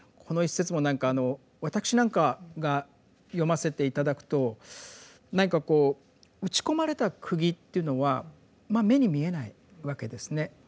この一節も何か私なんかが読ませて頂くと何かこう打ち込まれた釘っていうのはまあ目に見えないわけですね。